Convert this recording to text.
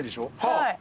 はい。